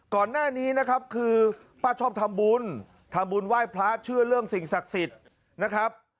ก่อนหน้านี้นะครับคือป้าชอบทำบุญทำบุญไหว้พระเชื่อเรื่องสิ่งศักดิ์สิทธิ์นะครับ